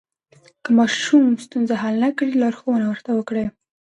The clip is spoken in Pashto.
که ماشوم ستونزه حل نه کړي، لارښوونه ورته وکړئ.